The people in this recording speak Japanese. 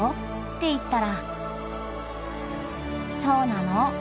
っていったら『そうなの？